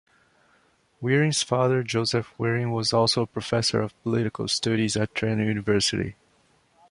Wearing's father, Joseph Wearing, was also a professor of Political Studies at Trent University.